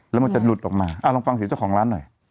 แล้วมันจะหลุดออกมาลองฟังเสียงเจ้าของร้านหน่อย